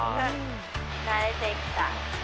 慣れてきた。